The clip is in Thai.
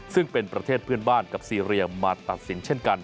ซึ่งเป็นประเทศเพื่อนบ้านกับซีเรียมาตัดสินเช่นกัน